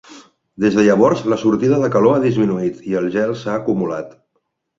Des de llavors la sortida de calor ha disminuït i el gel s'ha acumulat.